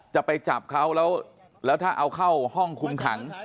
จะไปจับเขาแล้วถ้าเอาเข้าห้องคุมขัง